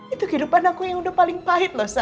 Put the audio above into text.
itu kehidupan aku yang udah paling pahit loh